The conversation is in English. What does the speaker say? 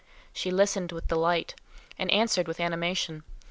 She listened with delight, and answered with animation.